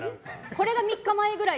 これが３日前ぐらい。